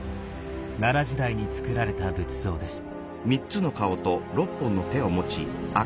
奈良時代につくられた仏像です。